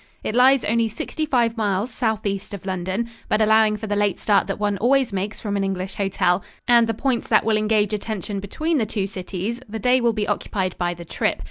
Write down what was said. It lies only sixty five miles southeast of London, but allowing for the late start that one always makes from an English hotel, and the points that will engage attention between the two cities, the day will be occupied by the trip.